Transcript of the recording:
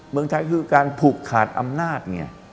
เมืองไทยคือการผูกขาดอำนาจไง